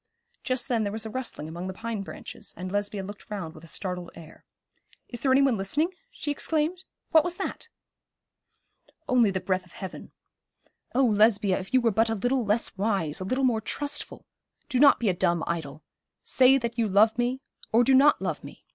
Just then there was a rustling among the pine branches, and Lesbia looked round with a startled air. 'Is there any one listening?' she exclaimed. 'What was that?' 'Only the breath of heaven. Oh, Lesbia, if you were but a little less wise, a little more trustful. Do not be a dumb idol. Say that you love me, or do not love me.